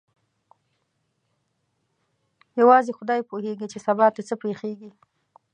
یوازې خدای پوهېږي چې سبا ته څه پېښیږي.